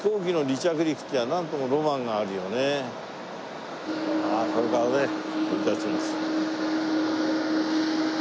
ああこれからね飛び立ちます。